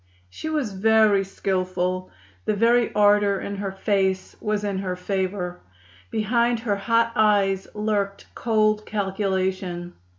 She was very skillful. The very ardor in her face was in her favor. Behind her hot eyes lurked cold calculation.